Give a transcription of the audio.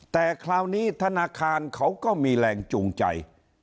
แต่คราวนี้ธนาคารเขาก็มีแรงจูงใจ